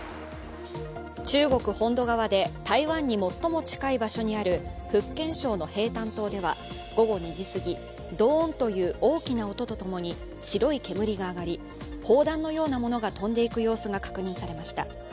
中国本土側で台湾に最も近い場所にある福建省の平潭島では午後２時すぎ、ドーンという大きな音と共に白い煙が上がり砲弾のようなものが飛んでいく様子が確認されました。